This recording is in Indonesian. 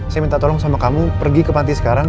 saya minta tolong sama kamu pergi ke panti sekarang